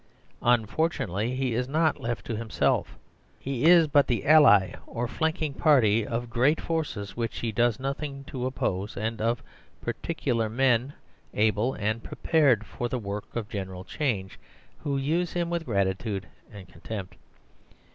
Unfortunately, he is not left to himself. He is but the ally or flanking party of great forces which he does nothing to oppose, and of particular men, able 133 THE SERVILE STATE and prepared for the work of general change, who use him with gratitude and contempt.